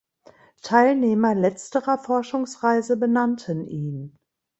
Teilnehmer letzterer Forschungsreise benannten ihn.